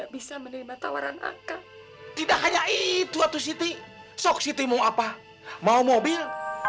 bisa menerima tawaran angka tidak hanya itu satu siti sok siti mau apa mau mobil